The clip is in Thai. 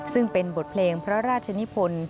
ซึ่งเป็นบทเพลงพระราชนิพล